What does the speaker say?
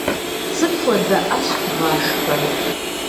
Сыт хуэдэ ӏэщ бгъашхэр?